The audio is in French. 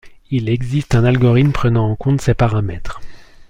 Il existe un algorithme prenant en compte ces paramètres.